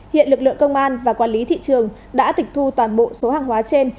hiện lực lượng công an và quản lý thị trường đã tịch thu toàn bộ số hàng hóa trên